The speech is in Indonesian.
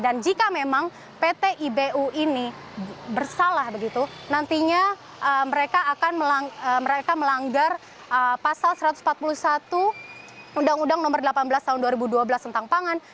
dan jika memang pt ibu ini bersalah begitu nantinya mereka akan melanggar pasal satu ratus empat puluh satu undang undang nomor delapan belas tahun dua ribu dua belas tentang pangan